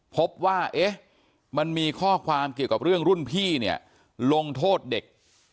พบว่ามันมีข้อความเกี่ยวกับเรื่องรุ่นพี่เนี่ยลงโทษเด็ก